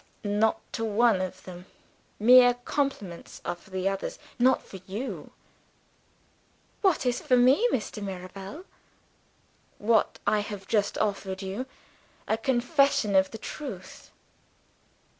"Not to one of them! Mere compliments are for the others not for you." "What is for me, Mr. Mirabel?" "What I have just offered you a confession of the truth."